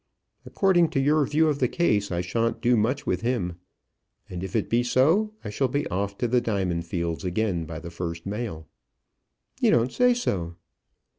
According to your view of the case I shan't do much with him. And if it be so, I shall be off to the diamond fields again by the first mail." "You don't say so!"